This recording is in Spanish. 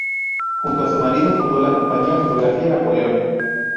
Junto a su marido fundó la Compañía fotográfica Napoleón.